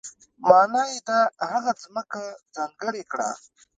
معنا یې ده هغه ځمکه ځانګړې کړه.